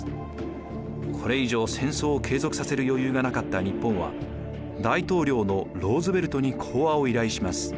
これ以上戦争を継続させる余裕がなかった日本は大統領のローズヴェルトに講和を依頼します。